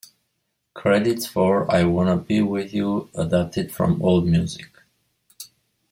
Credits for "I Wanna Be with You" adapted from AllMusic.